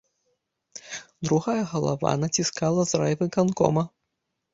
Другая галава націскала з райвыканкома.